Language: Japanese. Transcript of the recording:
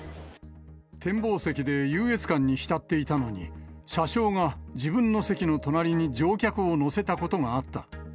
展望席で優越感に浸っていたのに、車掌が、自分の席の隣に乗客を乗せたことがあった。